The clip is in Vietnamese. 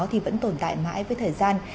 thì vẫn tồn tại mãi với thời gian